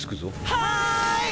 はい！